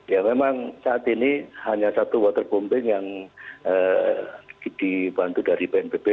ya memang saat ini hanya satu waterbombing yang dibantu dari bnpb